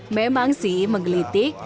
memang sih menggeliti